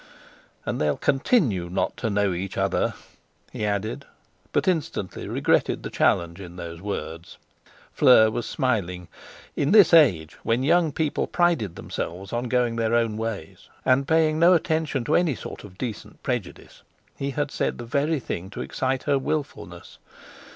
"And they'll continue not to know each, other," he added, but instantly regretted the challenge in those words. Fleur was smiling. In this age, when young people prided themselves on going their own ways and paying no attention to any sort of decent prejudice, he had said the very thing to excite her wilfulness.